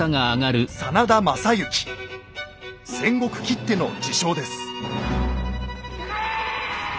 戦国きっての知将です。